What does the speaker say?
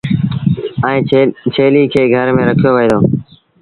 ائيٚݩ ڇيليٚ کي گھر ميݩ رکيو وهي دو۔